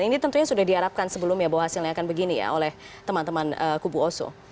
ini tentunya sudah diharapkan sebelumnya bahwa hasilnya akan begini ya oleh teman teman kubu oso